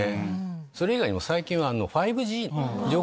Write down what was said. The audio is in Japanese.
それ以外にも最近は。